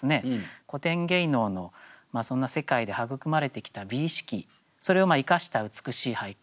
古典芸能のそんな世界で育まれてきた美意識それを生かした美しい俳句。